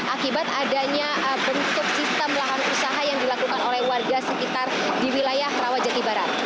akibat adanya bentuk sistem lahan usaha yang dilakukan oleh warga sekitar di wilayah rawajati barat